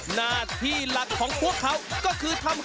หน้าที่หลักของพวกเขาก็คือทำให้